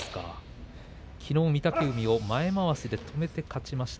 きのう御嶽海を前まわしで止めて勝ちました